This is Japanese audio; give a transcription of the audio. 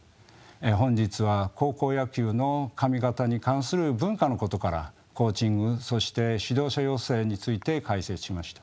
本日は高校野球の髪形に関する文化のことからコーチングそして指導者養成について解説しました。